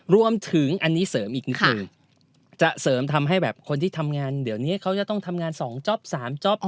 รวมถึงอันนี้เสริมอีกนิดนึงจะเสริมทำให้แบบคนที่ทำงานเดี๋ยวนี้เขาจะต้องทำงาน๒จ๊อป๓จ๊อป